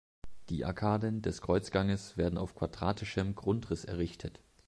Die Arkaden des Kreuzganges werden auf quadratischem Grundriss errichtet.